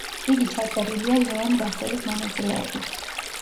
იგი ჩაწერილია ლეონ რასელის მონაწილეობით.